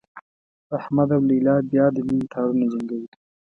احمد او لیلا بیا د مینې تارونه جنګوي.